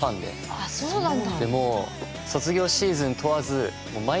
あっそうなんだ。